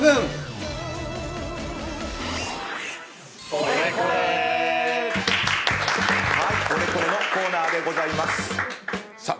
オレコレのコーナーでございます。